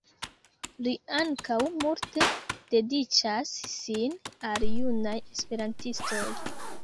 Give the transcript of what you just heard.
Li ankaŭ multe dediĉas sin al junaj esperantistoj.